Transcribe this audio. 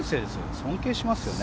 尊敬しますよね。